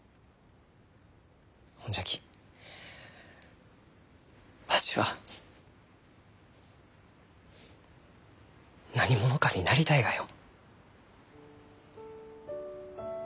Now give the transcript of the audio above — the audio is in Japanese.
ほんじゃきわしは何者かになりたいがよ。